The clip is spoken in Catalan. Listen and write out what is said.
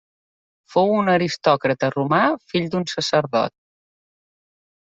Fou un aristòcrata romà, fill d'un sacerdot.